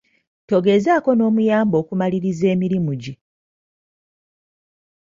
Togezaako n'omuyamba okumaliriza emirimu gye.